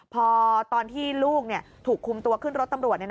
พอตอนที่ลูกถูกคุมตัวขึ้นรถตำรวจ